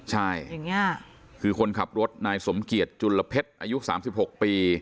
ใช่คือคนขับรถนายสมเกียจจุลเพชรอายุ๓๖ปี